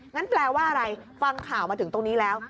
แปลว่าอะไรฟังข่าวมาถึงตรงนี้แล้ว